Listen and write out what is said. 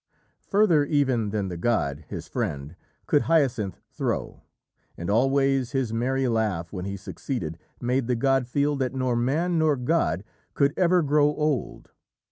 Further even than the god, his friend, could Hyacinthus throw, and always his merry laugh when he succeeded made the god feel that nor man nor god could ever grow old.